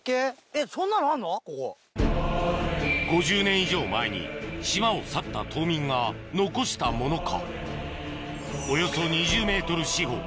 ５０年以上前に島を去った島民が残したものか？